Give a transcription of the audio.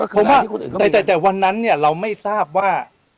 ผมว่าแต่วันนั้นเนี่ยเราไม่ทราบว่า